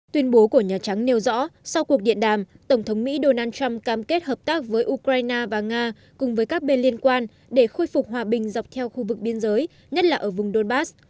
tuyên bố của nhà trắng nêu rõ sau cuộc điện đàm tổng thống mỹ donald trump cam kết hợp tác với ukraine và nga cùng với các bên liên quan để khôi phục hòa bình dọc theo khu vực biên giới nhất là ở vùng donbass